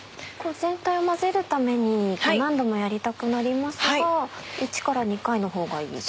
全体を混ぜるために何度もやりたくなりますが１から２回のほうがいい？